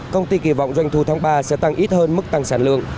công ty kỳ vọng doanh thu tháng ba sẽ tăng ít hơn mức tăng sản lượng